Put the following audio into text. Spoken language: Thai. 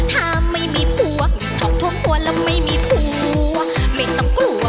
ถ้าไม่มีผัวทบทวนแล้วไม่มีผัวไม่ต้องกลัว